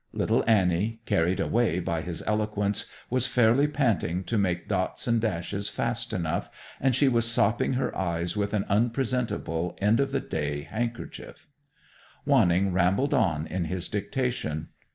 Little Annie, carried away by his eloquence, was fairly panting to make dots and dashes fast enough, and she was sopping her eyes with an unpresentable, end of the day handkerchief. Wanning rambled on in his dictation.